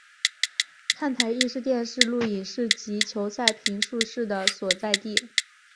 看台亦是电视录影室及球赛评述室的所在地。